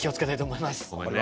思います。